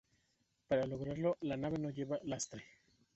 Para lograrlo la nave no lleva lastre.